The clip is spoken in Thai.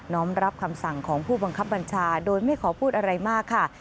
้อมรับคำสั่งของผู้บังคับบัญชาโดยไม่ขอพูดอะไรมากค่ะ